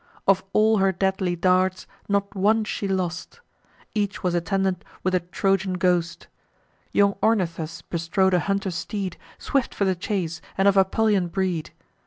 Of all her deadly darts, not one she lost; Each was attended with a Trojan ghost. Young Ornithus bestrode a hunter steed, Swift for the chase, and of Apulian breed.